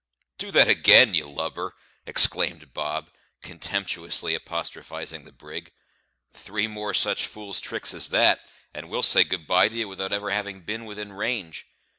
"Do that again, you lubber!" exclaimed Bob, contemptuously apostrophising the brig. "Three more such fool's tricks as that, and we'll say good bye t'ye without ever having been within range.